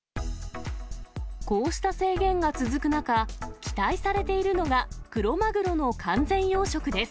こうした制限が続く中、期待されているのが、クロマグロの完全養殖です。